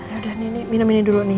yaudah nih minum ini dulu nih